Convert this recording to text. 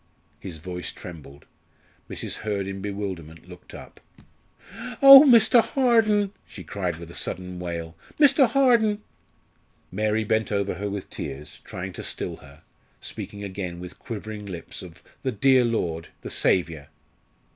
His voice trembled. Mrs. Hurd in bewilderment looked up. "Oh, Mr. Harden!" she cried with a sudden wail. "Mr. Harden!" Mary bent over her with tears, trying to still her, speaking again with quivering lips of "the dear Lord, the Saviour."